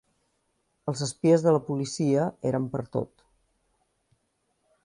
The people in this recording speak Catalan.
Els espies de la policia eren pertot